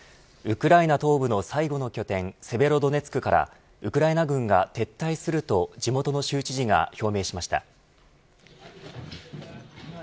ウクライナ東部の最後の拠点セベロドネツクからウクライナ軍が撤退すると地元の州知事が表明しました。